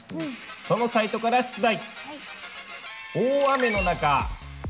そのサイトから出題！